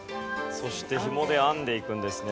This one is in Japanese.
そしてひもで編んでいくんですね。